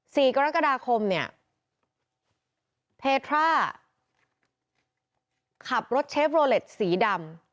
สี่กรกฎาคมเนี่ยเพทราขับรถเชฟโรเล็ตสีดำ